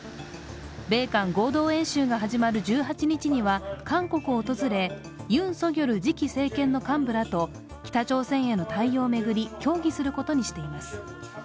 米韓合同演習が始まる１８日には韓国を訪れ、ユン・ソギョル次期政権の幹部らと北朝鮮への対応を巡り協議することにしています。